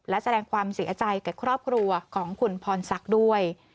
และแสดงความเสียใจกับครอบครัวของคุณพรศักดิ์ด้วย